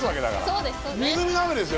そうです。